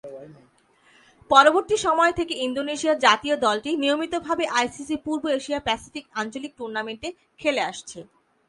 পরবর্তীসময় থেকে ইন্দোনেশিয়া জাতীয় দলটি নিয়মিত ভাবে আইসিসি পূর্ব এশিয়া-প্যাসিফিক আঞ্চলিক টুর্নামেন্টে খেলে আসছে।